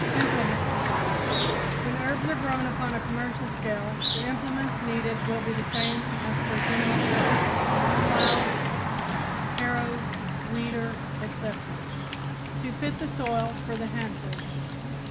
IMPLEMENTS When herbs are grown upon a commercial scale the implements needed will be the same as for general trucking plows, harrows, weeder, etc. to fit the soil for the hand tools.